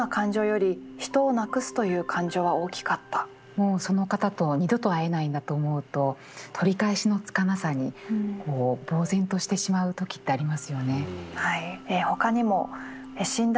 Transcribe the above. もうその方と二度と会えないんだと思うと取り返しのつかなさにぼう然としてしまう時ってありますよね。